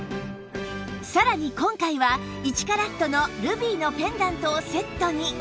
さらに今回は１カラットのルビーのペンダントをセットに！